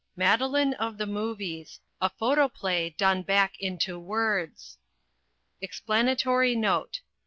Madeline of the Movies: A Photoplay done back into Words EXPLANATORY NOTE.